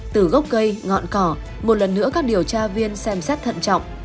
từ gốc cây ngọn cỏ một lần nữa các điều tra viên xem xét thận trọng